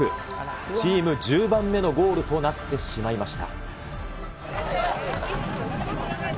チーム１０番目のゴールとなってしまいました。